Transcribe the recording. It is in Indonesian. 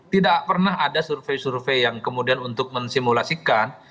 tidak pernah ada survei survei yang kemudian untuk mensimulasikan